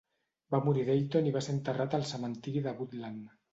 Va morir a Dayton i va ser enterrat al cementiri de Woodland.